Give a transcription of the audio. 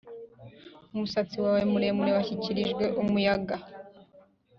umusatsi wawe muremure washyikirijwe umuyaga,